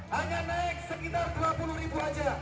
hanya naik sekitar dua puluh ribu saja